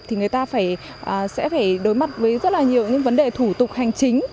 thì người ta sẽ phải đối mặt với rất là nhiều những vấn đề thủ tục hành chính